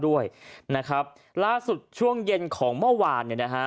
ด้วยนะครับล่าสุดช่วงเย็นของเมื่อวานเนี่ยนะฮะ